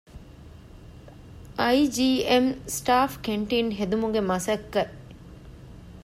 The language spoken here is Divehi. އައި.ޖީ.އެމް ސްޓާފް ކެންޓީން ހެދުމުގެ މަސައްކަތް